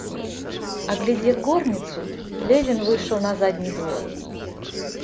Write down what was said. Оглядев горницу, Левин вышел на задний двор.